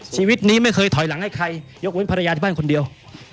ชีวิตนี้ไม่เคยถอยหลังให้ใครยกเว้นภรรยาที่บ้านคนเดียว